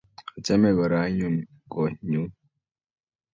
Achame kora aun ko nyun.